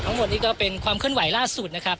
ทั้งหมดนี้ก็เป็นความเคลื่อนไหวล่าสุดนะครับ